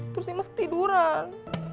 terus imas ketiduran